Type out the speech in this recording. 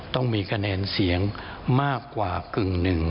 ต้องมีคะแนนเสียงมากกว่ากึ่งหนึ่ง